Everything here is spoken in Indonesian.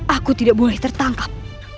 aku tidak boleh tertangkap